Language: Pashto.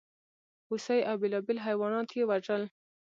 هوسۍ او بېلابېل حیوانات یې وژل.